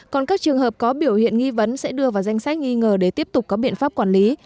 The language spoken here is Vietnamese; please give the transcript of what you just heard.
còn các trường hợp có biểu hiện nghi vấn sẽ đưa vào danh sách nghi ngờ để tiếp tục có biện pháp quản lý